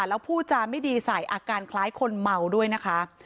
แล้วผู้จาไม่ดีใส่อาการคล้ายคนเมาด้วยนะคะ